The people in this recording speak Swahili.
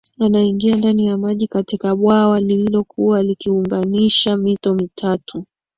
anaingia ndani ya maji katika bwawa lililokuwa likiunganisha mito mitatu